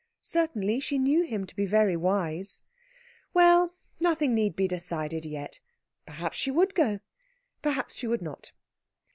Certainly she knew him to be very wise. Well, nothing need be decided yet. Perhaps she would go perhaps she would not.